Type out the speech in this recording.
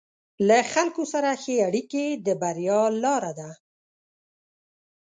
له خلکو سره ښه اړیکې د بریا لاره ده.